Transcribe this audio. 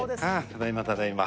ただいまただいま。